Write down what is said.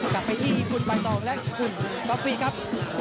กลับไปที่คุณใบตองและคุณบ๊อฟฟี่ครับ